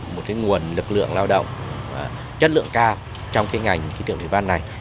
một cái nguồn lực lượng lao động chất lượng cao trong cái ngành khí tượng thủy văn này